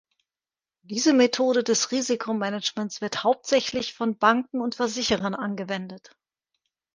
Diese Methode des Risikomanagements wird hauptsächlich von Banken und Versicherern angewendet.